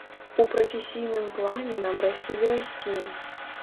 У прафесійным плане нам расці ды расці.